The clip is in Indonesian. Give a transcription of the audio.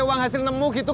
yang selalu kirim